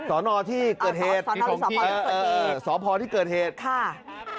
สนที่เกิดเหตุสพที่เกิดเหตุค่ะสนที่เกิดเหตุ